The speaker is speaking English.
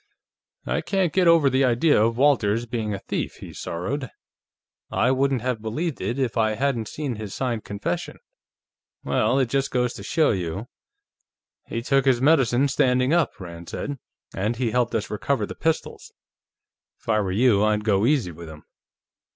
"I can't get over the idea of Walters being a thief," he sorrowed. "I wouldn't have believed it if I hadn't seen his signed confession.... Well, it just goes to show you...." "He took his medicine standing up," Rand said. "And he helped us recover the pistols. If I were you, I'd go easy with him."